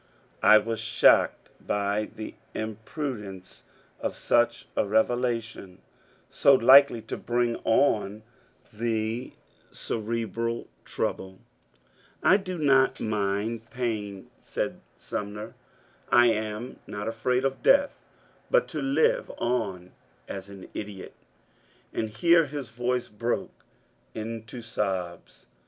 I was shocked by the im prudence of such a revelation, so likely to bring on the cere IN THE CAUSE OF LIBERTY 239 bral trouble. ^' I do not mind pain,'* said Sumner ;'^ I am not afraid of death, but to lire on as an idiot "— and here his voice broke into sobs.